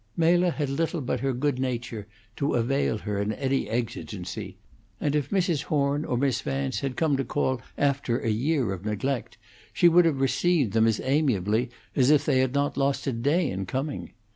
Mela had little but her good nature to avail her in any exigency, and if Mrs. Horn or Miss Vance had come to call after a year of neglect, she would have received them as amiably as if they had not lost a day in coming.